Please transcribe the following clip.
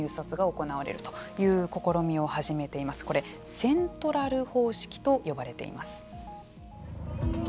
これ、セントラル方式と呼ばれています。